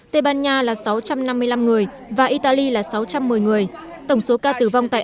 tổng số ca tử vong tại anh là một ba trăm bốn mươi một người tây ban nha là sáu trăm năm mươi năm người và italy là sáu trăm một mươi người